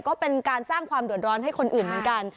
ก็เป็นการสร้างความเดือดร้อนให้คนอื่นเหมือนกัน